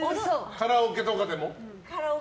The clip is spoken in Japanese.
カラオケとかでも。